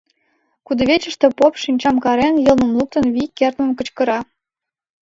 Кудывечыште поп, шинчам карен, йылмым луктын, вий кертмын кычкыра: